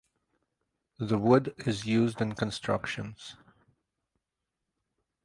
The wood is used in constructions.